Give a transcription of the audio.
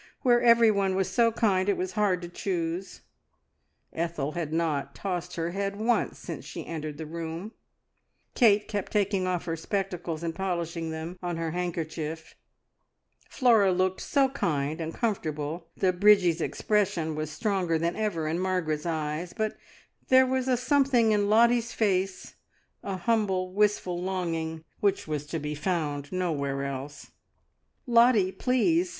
Where everyone was so kind it was hard to choose. Ethel had not tossed her head once since she entered the room; Kate kept taking off her spectacles, and polishing them on her handkerchief; Flora looked so kind and comfortable; the "Bridgie's expression" was stronger than ever in Margaret's eyes; but there was a something in Lottie's face a humble, wistful longing which was to be found nowhere else. "Lottie, please!"